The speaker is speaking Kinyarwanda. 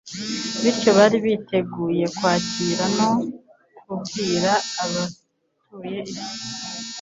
bityo bari biteguye kwakira no kubwira abatuye isi